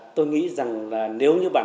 tôi nghĩ rằng là nếu như bạn